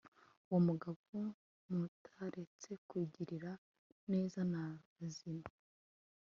uwo mugabo m utaretse kugirira neza n abazima